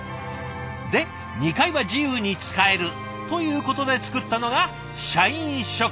で２階は自由に使えるということで作ったのが社員食堂。